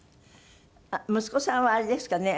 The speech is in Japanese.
息子さんはあれですかね。